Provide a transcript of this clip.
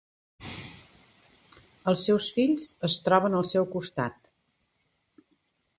Els seus fills es troben al seu costat.